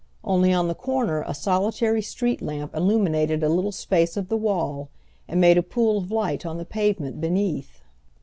Only on the corner a solitary street lamp illuminated a little space of the wall and made a pool of light on the pavement beneath.